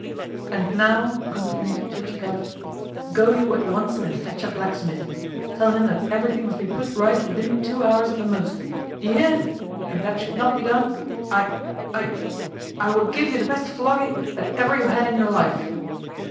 "And now," continued Chichikov, "go you at once and fetch a blacksmith. Tell him that everything must be put right within two hours at the most. Do you hear? If that should not be done, I, I I will give you the best flogging that ever you had in your life."